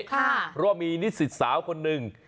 เพราะว่ามีนิสิตสาวคนหนึ่ง